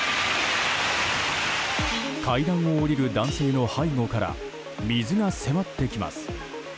階段を下りる男性の背後から水が迫ってきます。